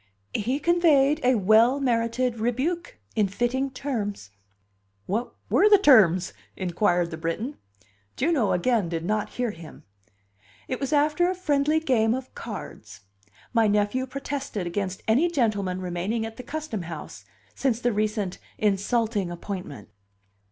"He conveyed a well merited rebuke in fitting terms." "What were the terms?" inquired the Briton. Juno again did not hear him. "It was after a friendly game of cards. My nephew protested against any gentleman remaining at the custom house since the recent insulting appointment."